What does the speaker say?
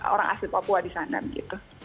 orang asli papua di sana gitu